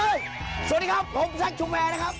เห้ยสวัสดีครับผมซักชุมแมนะครับ